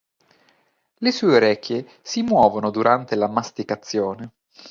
Le sue orecchie si muovono durante la masticazione.